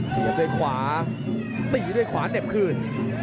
เสียบด้วยขวาตีด้วยขวาเหน็บคืน